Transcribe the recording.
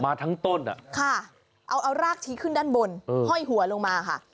ทั้งต้นอ่ะค่ะเอารากชี้ขึ้นด้านบนห้อยหัวลงมาค่ะ